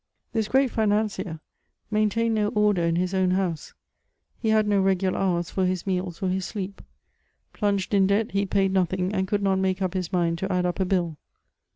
This great financier maintained no order in his own house ;. he had no regular hours for his meals or his sleep. Plunged in debt, he paid nothing, and could not make up his mind to add up a bill.